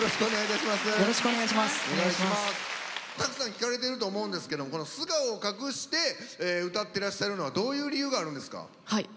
たくさん聞かれてると思うんですけど素顔を隠して歌ってらっしゃるのはどういう理由があるんですか？